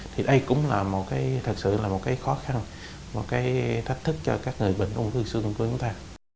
thì đây cũng là một cái thật sự là một cái khó khăn một cái thách thức cho các người bệnh ung thư xương của chúng ta